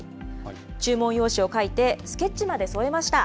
注文用紙を書いてスケッチまで添えました。